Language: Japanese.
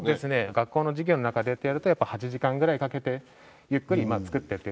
学校の授業の中でってやるとやっぱ８時間ぐらいかけてゆっくり作っていって。